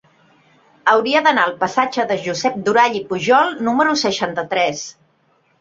Hauria d'anar al passatge de Josep Durall i Pujol número seixanta-tres.